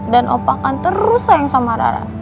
dan opa akan terus sayang sama rara